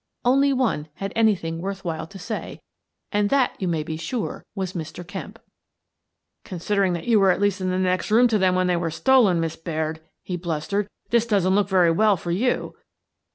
Only one had anything worth while to say and that, you may be sure, was Mr. Kemp. " Considering that you were at least in the next room to them when they were stolen, Miss Baird," he blustered, "this doesn't look very well for you."